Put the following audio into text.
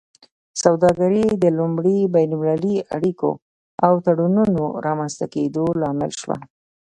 سوداګري د لومړي بین المللي اړیکو او تړونونو رامینځته کیدو لامل شوه